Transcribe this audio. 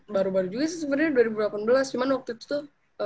baru baru juga sih sebenarnya dua ribu delapan belas cuman waktu itu tuh